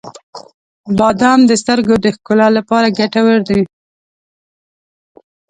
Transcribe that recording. • بادام د سترګو د ښکلا لپاره ګټور دي.